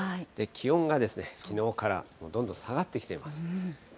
気温がきのうからどんどん下がってきています。